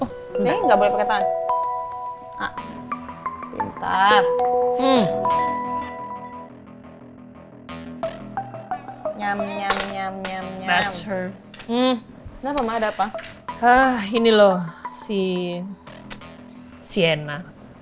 hai enggak boleh tanpa minta nyam nyam nyam nyam nyam nyam ada apa hah ini loh si sienna